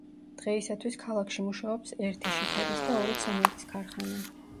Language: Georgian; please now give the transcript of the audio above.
დღეისათვის ქალაქში მუშაობს ერთი შიფერის და ორი ცემენტის ქარხანა.